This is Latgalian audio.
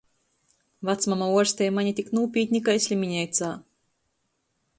Vacmama uorstej mani tik nūpītni kai slimineicā.